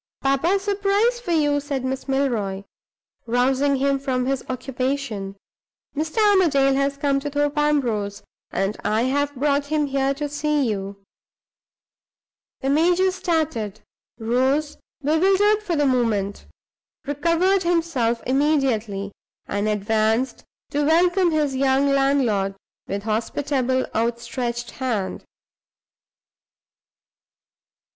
"Papa! a surprise for you!" said Miss Milroy, rousing him from his occupation. "Mr. Armadale has come to Thorpe Ambrose; and I have brought him here to see you." The major started; rose, bewildered for the moment; recovered himself immediately, and advanced to welcome his young landlord, with hospitable, outstretched hand.